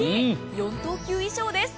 ４等級以上です。